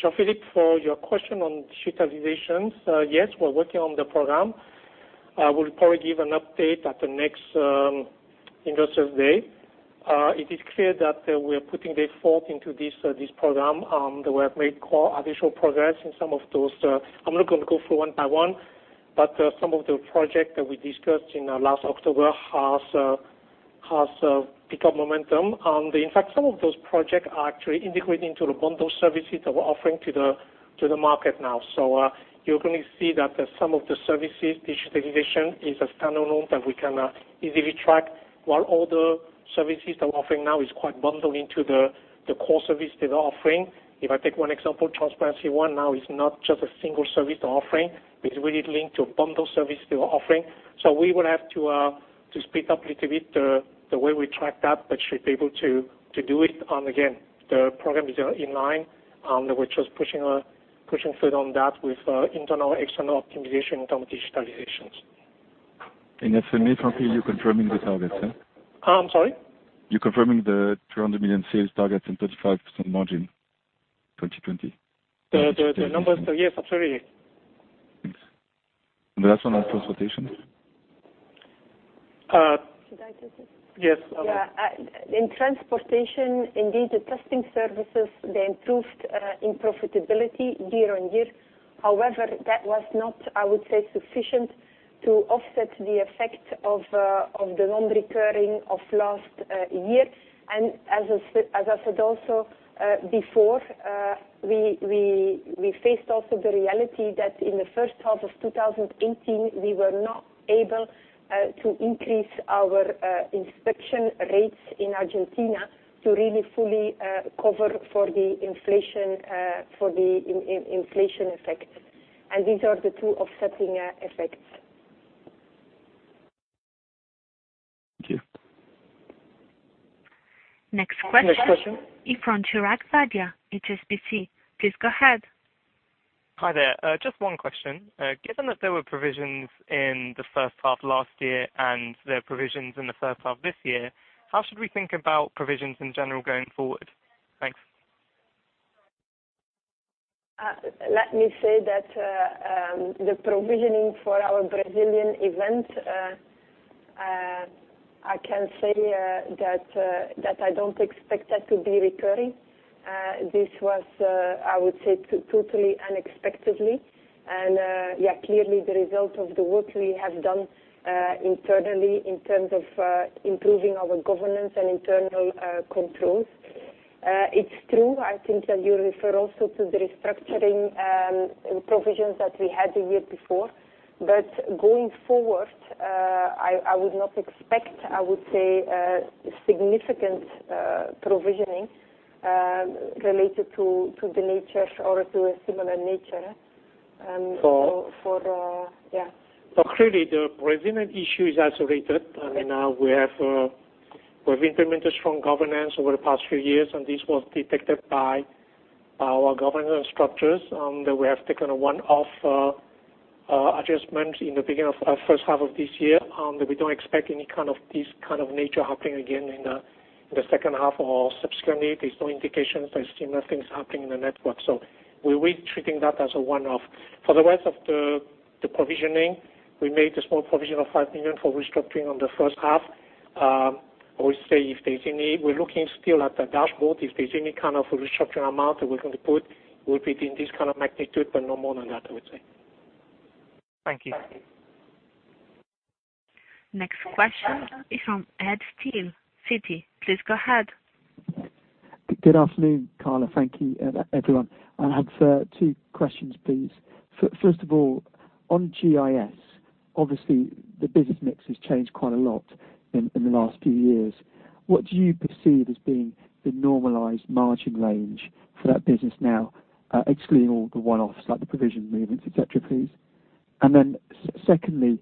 Jean-Philippe, for your question on digitalizations. Yes, we're working on the program. We'll probably give an update at the next Investors Day. It is clear that we're putting the effort into this program, that we have made additional progress in some of those. I'm not going to go through one by one, but some of the projects that we discussed in last October has picked up momentum. In fact, some of those projects are actually integrated into the bundle services that we're offering to the market now. You're going to see that some of the services, digitalization is a standalone that we can easily track, while other services that we're offering now is quite bundled into the core service that we're offering. If I take one example, Transparency-One now is not just a single service offering, it's really linked to a bundle service we're offering. We will have to speed up little bit the way we track that, but should be able to do it. Again, the program is in line, and we're just pushing forward on that with internal, external optimization in term of digitalizations. As for me, Jean-Philippe, you're confirming the targets, yeah? I'm sorry? You're confirming the 300 million sales targets and 35% margin 2020? The numbers, yes, absolutely. Thanks. The last one on transportation. Should I take it? Yes. Yeah. In transportation, indeed, the testing services, they improved in profitability year-on-year. However, that was not, I would say, sufficient to offset the effect of the non-recurring of last year. As I said also before, we faced also the reality that in the first half of 2018, we were not able to increase our inspection rates in Argentina to really fully cover for the inflation effect. These are the two offsetting effects. Thank you. Next question is from Chirag Vadhia, HSBC. Please go ahead. Hi there. Just one question. Given that there were provisions in the first half of last year and there are provisions in the first half of this year, how should we think about provisions in general going forward? Thanks. Let me say that the provisioning for our Brazilian event, I can say that I don't expect that to be recurring. This was, I would say, totally unexpectedly, and clearly the result of the work we have done internally in terms of improving our governance and internal controls. It's true, I think that you refer also to the restructuring provisions that we had the year before. Going forward, I would not expect, I would say, significant provisioning related to the nature or to a similar nature. Clearly the Brazilian issue is isolated. Now we've implemented strong governance over the past few years, this was detected by our governance structures, that we have taken a one-off adjustment in the beginning of first half of this year, that we don't expect any kind of this kind of nature happening again in the second half or subsequently. There's no indication that similar thing is happening in the network. We're really treating that as a one-off. For the rest of the provisioning, we made a small provision of 5 million for restructuring on the first half. I would say, we're looking still at the dashboard. If there's any kind of restructuring amount that we're going to put, it would be in this kind of magnitude, but no more than that, I would say. Thank you. Next question is from Edward Steel, Citi. Please go ahead. Good afternoon, Carla. Thank you, everyone. I have two questions, please. First of all, on GIS, obviously the business mix has changed quite a lot in the last few years. What do you perceive as being the normalized margin range for that business now, excluding all the one-offs like the provision movements, et cetera, please? Secondly,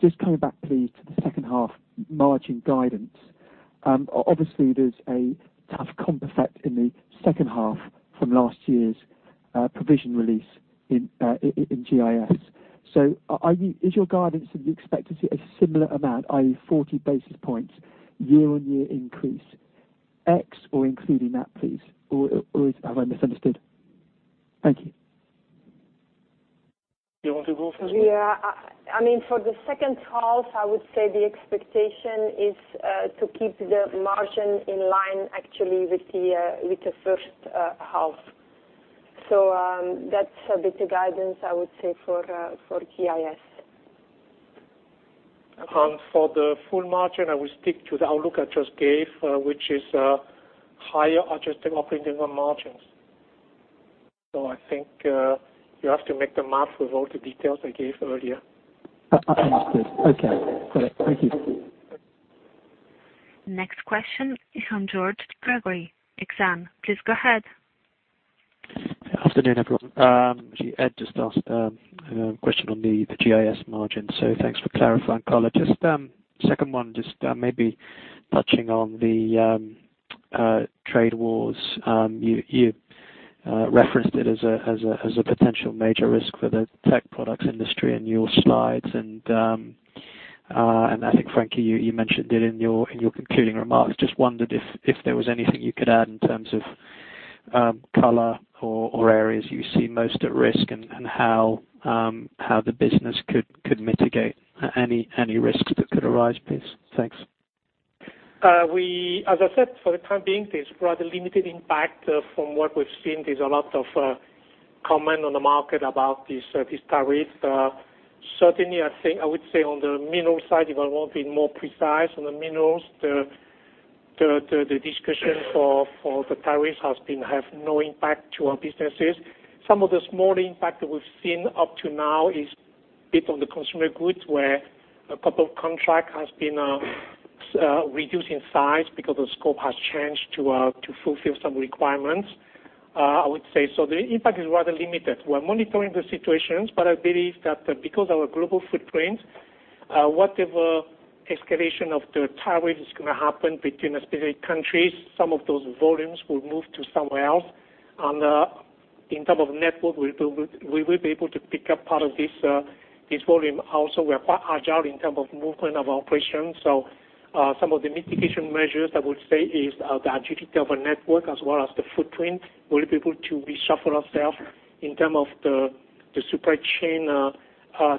just coming back please to the second half margin guidance. Obviously there's a tough comp effect in the second half from last year's provision release in GIS. Is your guidance that you expect to see a similar amount, i.e. 40 basis points year-on-year increase, ex or including that, please? Have I misunderstood? Thank you. You want to go first? Yeah. For the second half, I would say the expectation is to keep the margin in line actually with the first half. That's a better guidance, I would say, for GIS. For the full margin, I will stick to the outlook I just gave, which is higher adjusted operating margins. I think you have to make the math with all the details I gave earlier. Understood. Okay, got it. Thank you. Next question is from George Gregory, Exane. Please go ahead. Afternoon, everyone. Ed just asked a question on the GIS margin, so thanks for clarifying, Carla. Just second one, just maybe touching on the trade wars. You referenced it as a potential major risk for the tech products industry in your slides. I think, Frankie, you mentioned it in your concluding remarks. Just wondered if there was anything you could add in terms of color or areas you see most at risk and how the business could mitigate any risks that could arise, please. Thanks. As I said, for the time being, there's rather limited impact from what we've seen. There's a lot of comment on the market about these tariffs. Certainly, I would say on the mineral side, if I want to be more precise, on the minerals, the discussion for the tariffs has had no impact to our businesses. Some of the small impact that we've seen up to now is a bit on the consumer goods, where a couple of contract has been reduced in size because the scope has changed to fulfill some requirements, I would say. The impact is rather limited. We're monitoring the situations, but I believe that because our global footprint, whatever escalation of the tariff is going to happen between specific countries, some of those volumes will move to somewhere else. In terms of network, we will be able to pick up part of this volume. Also, we are quite agile in terms of movement of operations. Some of the mitigation measures I would say is the agility of our network as well as the footprint. We will be able to reshuffle ourselves in terms of the supply chain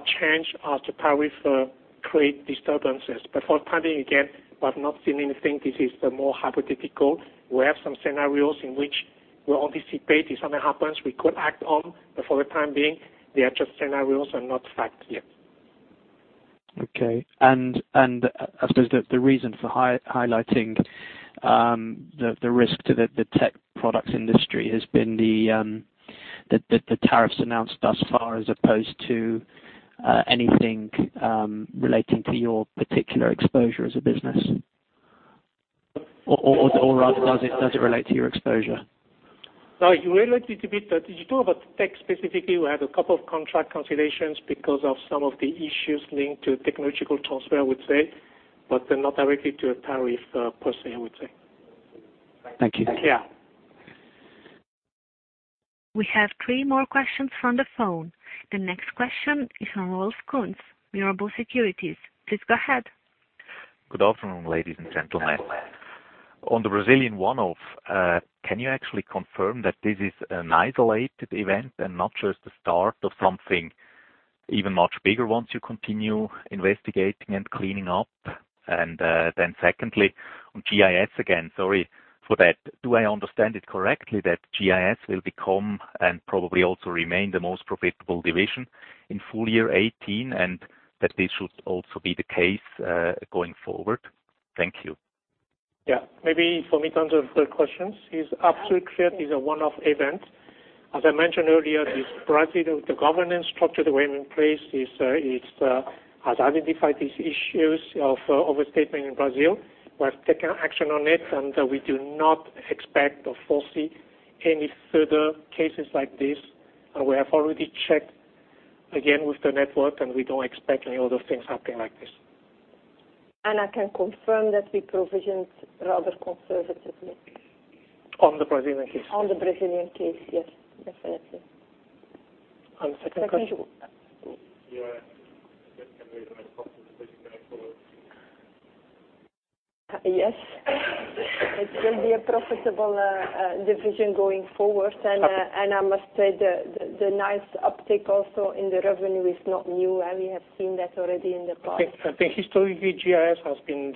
change as the tariff create disturbances. For the time being, again, we have not seen anything. This is more hypothetical. We have some scenarios in which we anticipate if something happens, we could act on, but for the time being, they are just scenarios and not fact yet. Okay. I suppose the reason for highlighting the risk to the tech products industry has been the tariffs announced thus far, as opposed to anything relating to your particular exposure as a business? Or rather, does it relate to your exposure? No. It relates a bit. If you talk about tech specifically, we had a couple of contract cancellations because of some of the issues linked to technological transfer, I would say, but not directly to a tariff per se, I would say. Thank you. Yeah. We have three more questions on the phone. The next question is from Rolf Kunz, Mirabaud Securities. Please go ahead. Good afternoon, ladies and gentlemen. On the Brazilian one-off, can you actually confirm that this is an isolated event and not just the start of something even much bigger once you continue investigating and cleaning up? Secondly, on GIS again, sorry for that. Do I understand it correctly that GIS will become and probably also remain the most profitable division in full year 2018, and that this should also be the case going forward? Thank you. Yeah. Maybe for me to answer the third question. It's absolutely clear this is a one-off event. As I mentioned earlier, this president of the governance structure, the way in place has identified these issues of overstating in Brazil. We have taken action on it, and we do not expect or foresee any further cases like this. We have already checked again with the network, and we don't expect any other things happening like this. I can confirm that we provisioned rather conservatively. On the Brazilian case. On the Brazilian case. Yes, definitely. The second question? Second. Yeah. I think it can be the most profitable division going forward. Yes. It will be a profitable division going forward. I must say the nice uptick also in the revenue is not new. We have seen that already in the past. I think historically, GIS has been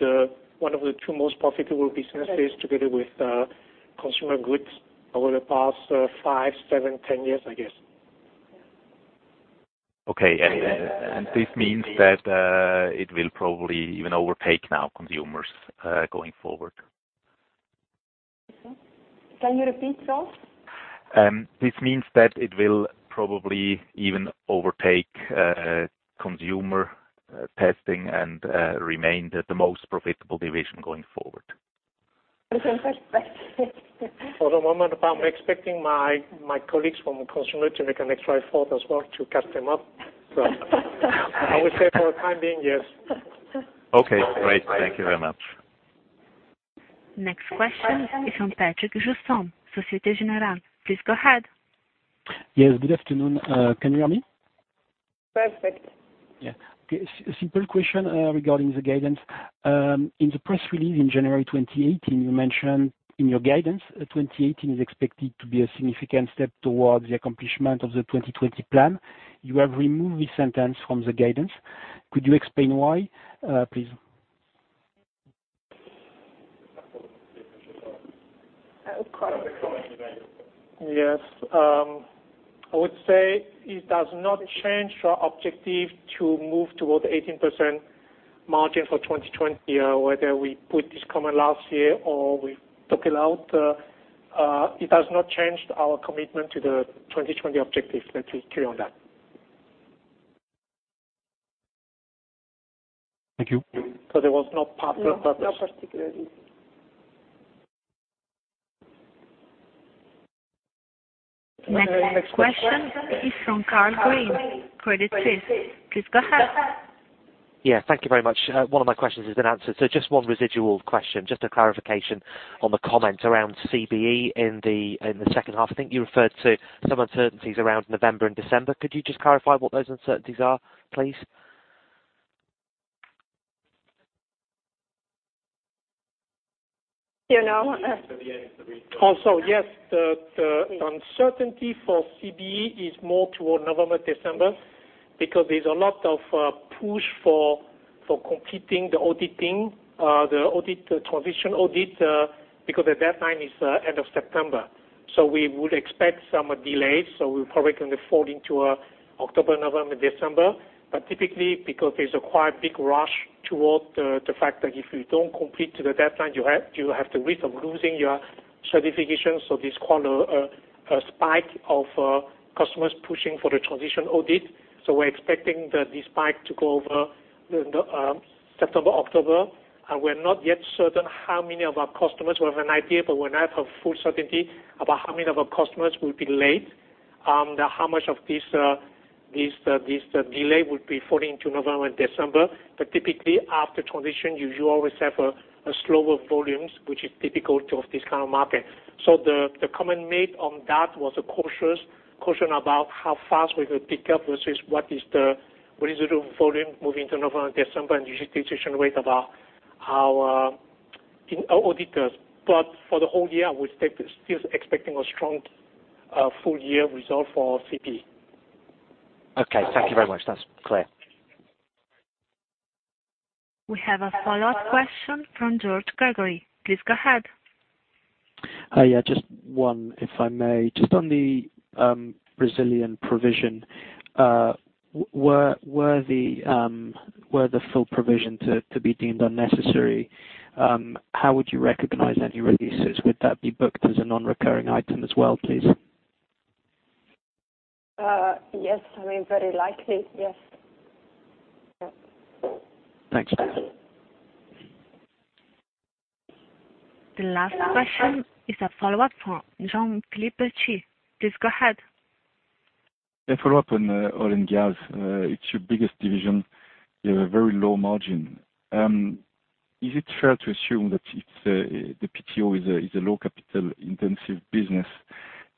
one of the two most profitable businesses together with consumer goods over the past five, seven, 10 years, I guess. Yeah. Okay. This means that it will probably even overtake now consumers going forward? Can you repeat, Rolf? This means that it will probably even overtake consumer testing and remain the most profitable division going forward. Perfect. For the moment, I'm expecting my colleagues from consumer to make an extra effort as well to catch them up. I would say for the time being, yes. Okay, great. Thank you very much. Next question is from Patrick Jousseaume, Société Générale. Please go ahead. Yes, good afternoon. Can you hear me? Perfect. Yeah. Okay. Simple question regarding the guidance. In the press release in January 2018, you mentioned in your guidance 2018 is expected to be a significant step towards the accomplishment of the 2020 plan. You have removed this sentence from the guidance. Could you explain why, please? Yes. I would say it does not change our objective to move towards 18% margin for 2020. Whether we put this comment last year or we took it out, it has not changed our commitment to the 2020 objective. Let's be clear on that. Thank you. There was no particular. No particular. Next question is from Carl Green, Credit Suisse. Please go ahead. Thank you very much. One of my questions has been answered. Just one residual question, just a clarification on the comment around CBE in the second half. I think you referred to some uncertainties around November and December. Could you just clarify what those uncertainties are, please? You know. Yes, the uncertainty for CBE is more toward November, December, because there's a lot of push for completing the audit transition, because the deadline is end of September. We would expect some delays. We're probably going to fall into October, November, December. Typically, because there's a quite big rush towards the fact that if you don't complete to the deadline, you have the risk of losing your certification. This cause a spike of customers pushing for the transition audit. We're expecting the spike to go over September, October, and we're not yet certain how many of our customers. We have an idea, but we're not of full certainty about how many of our customers will be late, how much of this delay would be falling to November and December. Typically, after transition, you always have slower volumes, which is typical of this kind of market. The comment made on that was a caution about how fast we could pick up versus what is the residual volume moving to November and December, and hesitation rate about our auditors. For the whole year, we're still expecting a strong full-year result for CBE. Okay. Thank you very much. That's clear. We have a follow-up question from George Gregory. Please go ahead. Yeah, just one, if I may. Just on the Brazilian provision. Were the full provision to be deemed unnecessary, how would you recognize any releases? Would that be booked as a non-recurring item as well, please? Yes. Very likely, yes. Thanks. The last question is a follow-up from Jean-Philippe. Please go ahead. A follow-up on oil and gas. It's your biggest division. You have a very low margin. Is it fair to assume that the PTO is a low capital-intensive business,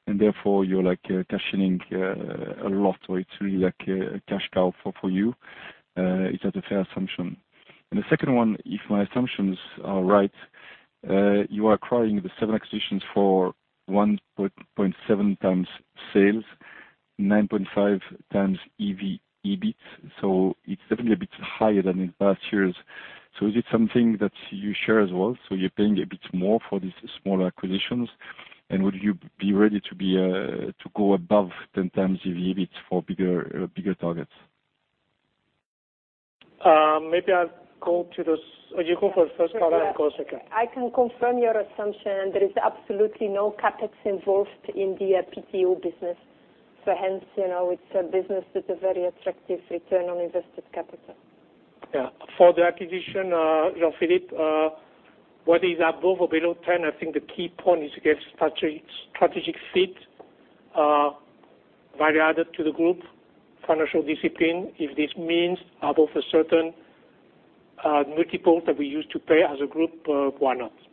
and therefore you're cashing a lot, or it's really like a cash cow for you? Is that a fair assumption? The second one, if my assumptions are right, you are acquiring the seven acquisitions for 1.7 times sales, 9.5 times EBIT. It's definitely a bit higher than in past years. Is it something that you share as well? You're paying a bit more for these small acquisitions, and would you be ready to go above 10 times EBIT for bigger targets? Maybe I'll go to this. You go for the first part and I'll go second. I can confirm your assumption. There is absolutely no CapEx involved in the PTO business. Hence, it's a business with a very attractive return on invested capital. Yeah. For the acquisition, Jean-Philippe, what is above or below 10, I think the key point is to get strategic fit, value added to the group, financial discipline. If this means above a certain multiple that we used to pay as a group, why not?